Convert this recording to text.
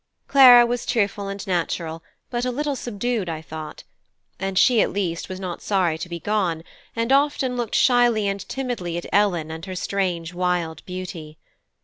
Clara was cheerful and natural, but a little subdued, I thought; and she at least was not sorry to be gone, and often looked shyly and timidly at Ellen and her strange wild beauty.